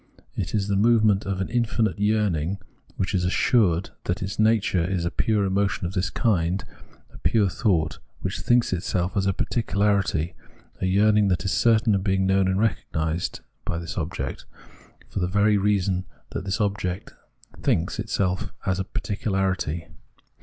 It is the movement of an infinite Yearning, which is assured that its nature is a pure emotion of this kind, a pure thought which thinks itself as particularity — a yearning that is certain of being known and recognised by this object, for the very reason that this object thinks 208 Phenomenology of Mind itself as particularity.